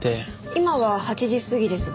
今は８時過ぎですが。